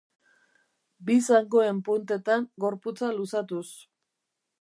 Bi zangoen puntetan gorputza luzatuz.